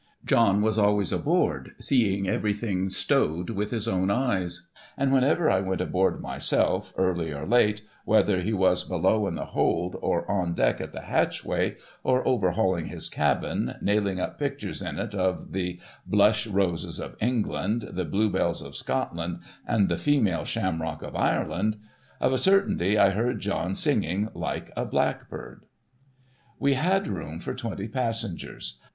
John was always aboard, seeing everything stowed with his own eyes ; and whenever I went aboard myself early or late, whether he was below in the hold, or on deck at the hatchway, or overhauling his cabin, nailing up pictures in it of the Blush Roses of England, the Blue Belles of Scotland, and the female Shamrock of Ireland : of a certainty I heard John singing like a blackbird. We had room for twenty passengers.